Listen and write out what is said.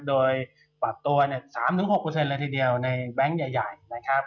โดยปรับตัว๓๖เลยทีเดียวในแบงค์ใหญ่นะครับ